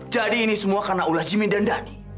jadi ini semua karena ulah jimmy dan dhani